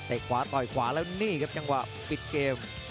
ขวาต่อยขวาแล้วนี่ครับจังหวะปิดเกม